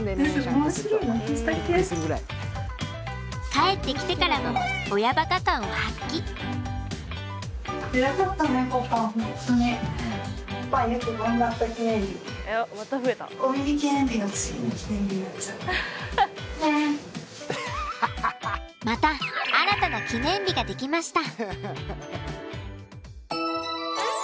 帰ってきてからもまた新たな記念日が出来ました。